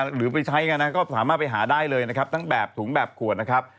หรือไปใช้กันนะก็สามารถไปหาได้เลยนะครับทั้งแบบถุงแบบขวดนะครับ